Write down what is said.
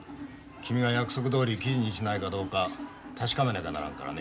君が約束どおり記事にしないかどうか確かめなきゃならんからね。